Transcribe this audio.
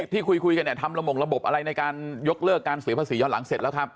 ที่คุยกันเนี่ยทำระมงระบบอะไรในการยกเลิกการเสียภาษีย้อนหลังเสร็จแล้วครับ